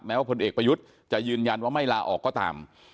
ว่าผลเอกประยุทธ์จะยืนยันว่าไม่ลาออกก็ตาม